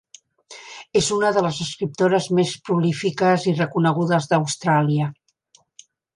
És una de les escriptores més prolífiques i reconegudes d'Austràlia.